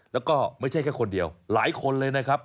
แล้วก็ไม่ใช่แค่คนเดียวหลายคนเลยนะครับ